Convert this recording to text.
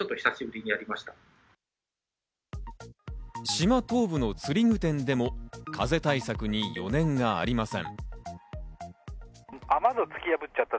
島東部の釣り具店でも風対策に余念がありません。